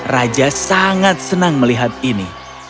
raja sangat senang melihat ini